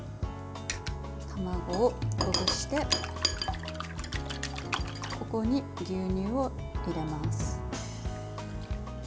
卵をほぐしてここに牛乳を入れます。